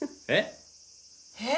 えっ？